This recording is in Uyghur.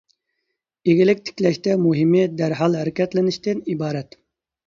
ئىگىلىك تىكلەشتە مۇھىمى، دەرھال ھەرىكەتلىنىشتىن ئىبارەت.